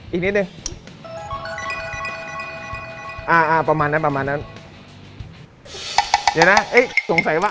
อีกนิดนึงอ่าอ่าประมาณนั้นประมาณนั้นเดี๋ยวนะเอ้ยสงสัยว่า